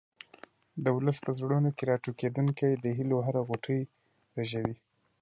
د ولس په زړونو کې راټوکېدونکې د هیلو هره غوټۍ رژوي.